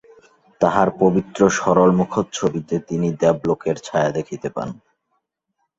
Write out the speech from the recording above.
তাহার পবিত্র সরল মুখচ্ছবিতে তিনি দেবলোকের ছায়া দেখিতে পান।